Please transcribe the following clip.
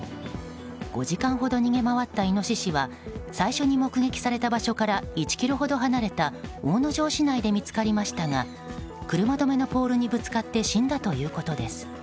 ５時間ほど逃げ回ったイノシシは最初に目撃された場所から１ｋｍほど離れた大野城市内で見つかりましたが車止めのポールにぶつかって死んだということです。